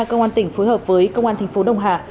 công an tỉnh phối hợp với công an tp đồng hà